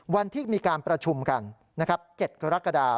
วันที่มีการประชุมกันนะครับ๗กรกฎา